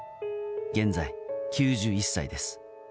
現在、９１歳です。